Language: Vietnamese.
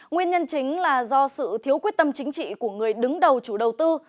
nguyên nhân chính là do sự thiếu quyết tâm chính trị của người đứng đầu chủ đầu tư